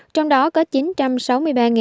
trong đó có chín trăm linh mẫu